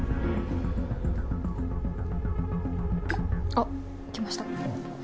あっ来ました。